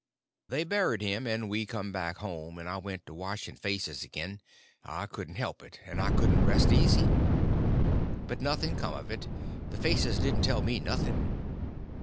They buried him, and we come back home, and I went to watching faces again—I couldn't help it, and I couldn't rest easy. But nothing come of it; the faces didn't tell me nothing.